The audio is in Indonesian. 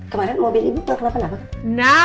kemarin mobil ibu kenapa kenapa